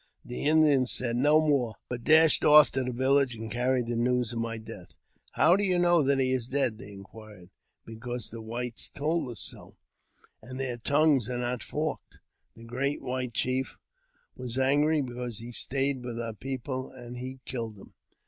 The Indians said no more, but dashed off to the village, a: carried the news of my death. " How do you know that he is dead ?" they inquired. "Because the whites told us so, and their tongues are not forked. The great white chief was angry because he stayed with om people and he killed him."